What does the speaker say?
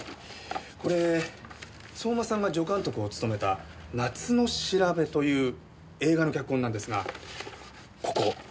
これ相馬さんが助監督を務めた『夏のしらべ』という映画の脚本なんですがここ。